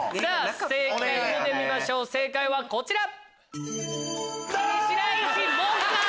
正解見てみましょう正解はこちら。